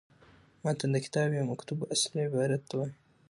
متن د کتاب یا مکتوت اصلي عبارت ته وايي.